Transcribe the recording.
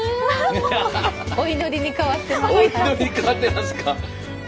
お祈りに変わってますか。